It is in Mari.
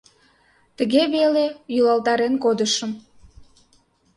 Тыге веле йӱлалтарен кодышым.